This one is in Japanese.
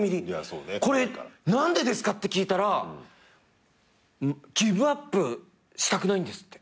これ何でですか？って聞いたらギブアップしたくないんですって。